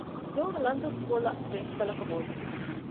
ނ. ލަންދޫ ސްކޫލަށް ޕްރިންސިޕަލަކު ހޯދުން